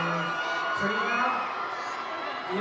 เราจะเริ่มมีเกมที่๓